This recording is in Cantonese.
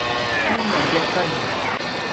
變名易姓